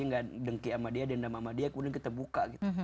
tidak dengki sama dia dendam sama dia kemudian kita buka